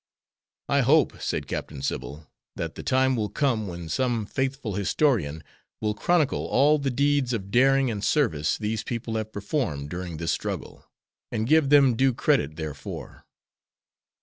"I hope," said Captain Sybil, "that the time will come when some faithful historian will chronicle all the deeds of daring and service these people have performed during this struggle, and give them due credit therefor."